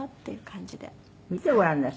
見てごらんなさい。